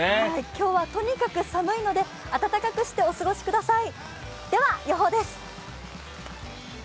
今日はとにかく寒いので暖かくしてお過ごしください。